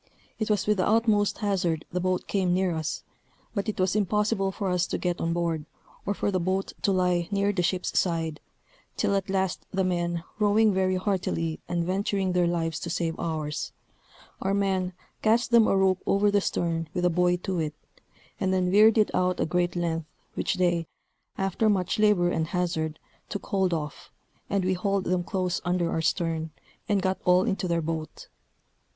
It was with the utmost hazard the boat came near us; but it was impossible for us to get on board, or for the boat to lie near the ship's side, till at last the men rowing very heartily, and venturing their lives to save ours, our men cast them a rope over the stern with a buoy to it, and then veered it out a great length, which they, after much labor and hazard, took hold of, and we hauled them close under our stern, and got all into their boat.